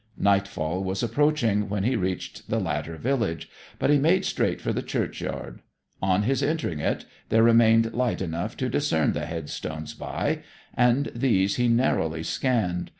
Nightfall was approaching when he reached the latter village; but he made straight for the churchyard. On his entering it there remained light enough to discern the headstones by, and these he narrowly scanned.